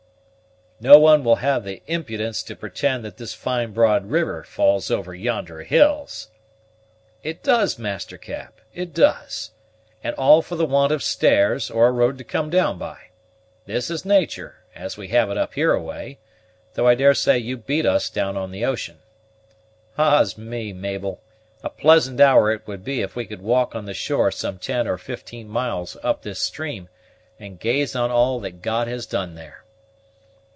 "No one will have the impudence to pretend that this fine broad river falls over yonder hills?" "It does, Master Cap, it does; and all for the want of stairs, or a road to come down by. This is natur', as we have it up hereaway, though I daresay you beat us down on the ocean. Ah's me, Mabel! a pleasant hour it would be if we could walk on the shore some ten or fifteen miles up this stream, and gaze on all that God has done there."